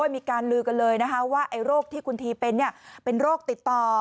มีการลือกันเลยว่าโรคที่คุณทีเป็นเป็นโรคติดต่อ